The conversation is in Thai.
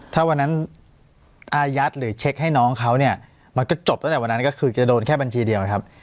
ถ้าวันนั้นอายัดหรือเช็คให้น้องเขาเนี่ยมันก็จบตั้งแต่วันนั้นก็คือจะโดนแค่บัญชีเดียวครับ